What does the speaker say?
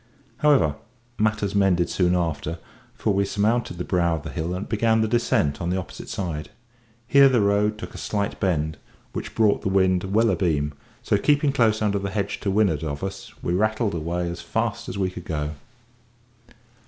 However, matters mended soon after, for we surmounted the brow of the hill, and began the descent on the opposite side; here the road took a slight bend, which brought the wind well abeam; so keeping close under the hedge to windward of us, we rattled away as fast as we could go.